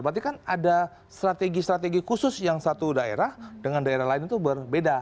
berarti kan ada strategi strategi khusus yang satu daerah dengan daerah lain itu berbeda